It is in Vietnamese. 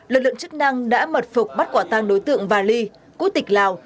lực lượng chức năng đã mật phục bắt quả tăng đối tượng vali quốc tịch lào